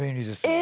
え！